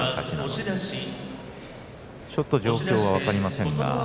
ちょっと状況は分かりませんが。